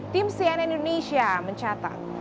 tim cnn indonesia mencatat